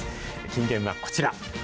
金言はこちら。